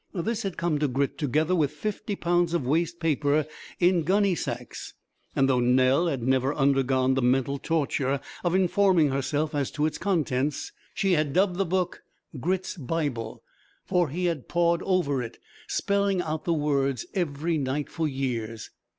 This had come to Grit together with fifty pounds of waste paper in gunny sacks; and though Nell had never undergone the mental torture of informing herself as to its contents, she had dubbed the book "Grit's Bible," for he had pawed over it, spelling out the words, every night for years.